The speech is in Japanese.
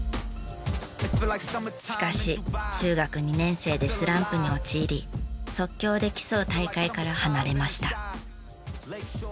しかし中学２年生でスランプに陥り即興で競う大会から離れました。